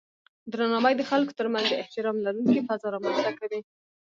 درناوی د خلکو ترمنځ د احترام لرونکی فضا رامنځته کوي.